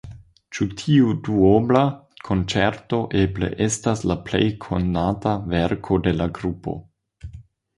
Ĉi tiu duobla konĉerto eble estas la plej konata verko de la grupo.